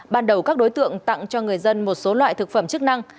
ban đầu các đối tượng tặng cho người dân một số loại thực phẩm chức năng